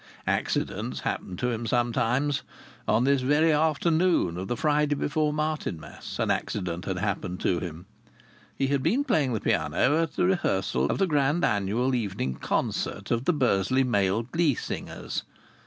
Accidents happened to him sometimes. On this very afternoon of the Friday before Martinmas an accident had happened to him. He had been playing the piano at the rehearsal of the Grand Annual Evening Concert of the Bursley Male Glee Singers.